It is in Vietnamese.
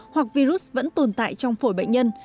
hoặc virus vẫn tồn tại trong phổi bệnh nhân